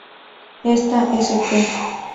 Esta sp.